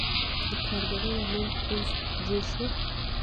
د کارګرانو لوی پوځ جوړ شو.